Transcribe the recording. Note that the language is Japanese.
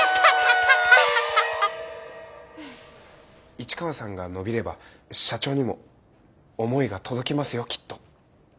市川さんが伸びれば社長にも思いが届きますよきっと。